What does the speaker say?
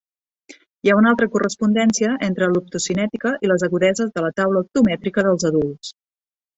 Hi ha una alta correspondència entre l'optocinètica i les agudeses de la taula optomètrica dels adults.